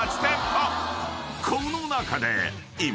［この中で今］